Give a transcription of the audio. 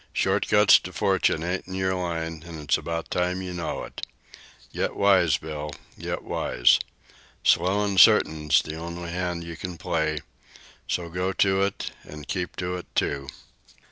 "Short cuts to fortune ain't in your line, an' it's about time you know it. Get wise, Bill; get wise. Slow an' certain's the only hand you can play; so go to it, an' keep to it, too."